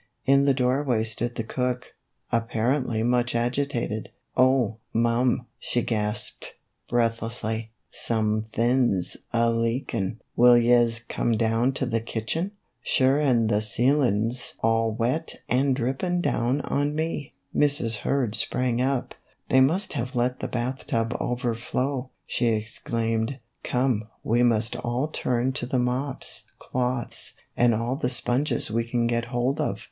In the doorway stood the cook, apparently much agitated. " Oh, mum," she gasped, breathlessly, " somethin's a leakin' ! Will yez come down to the kitchen ? Sure an' the ceilin 's all wet and drippin' down on me." Mrs. Kurd sprang up. " They must have let the bath tub overflow," she exclaimed. " Come, we must all turn to with mops, cloths, and all the sponges we can get hold of."